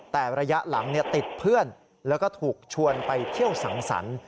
แต่ระยะหลังติดเพื่อนแล้วก็ถูกชวนไปเที่ยวสังสรรค์